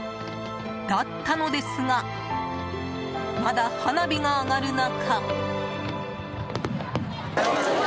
だったのですがまだ花火が上がる中。